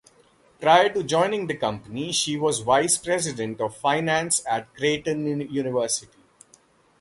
Prior to joining the Company, she was Vice President of Finance at Creighton University.